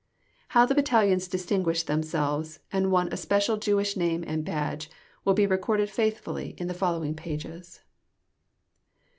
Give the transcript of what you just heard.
How the Battalions distinguished themselves, and won a special Jewish name and badge, will be recorded faithfully in the following pages.